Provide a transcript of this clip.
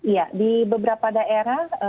iya di beberapa daerah